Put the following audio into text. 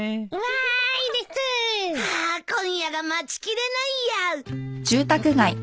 ああ今夜が待ちきれないや！